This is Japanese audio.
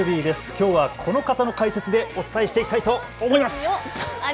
きょうはこの方の解説でお伝えしていきたいと思います。